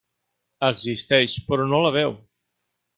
Existeix, però no la veu.